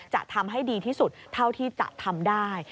จะทำให้ดีที่สุดเท่าที่จะทำได้